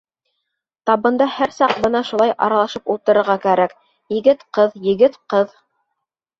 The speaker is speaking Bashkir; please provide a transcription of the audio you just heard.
Табында һәр саҡ бына шулай аралашып ултырырға кәрәк: егет, ҡыҙ, егет, ҡыҙ!